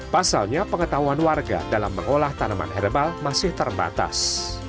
pasalnya pengetahuan warga dalam mengolah tanaman herbal masih terbatas